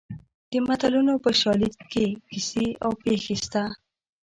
د متلونو په شالید کې کیسې او پېښې شته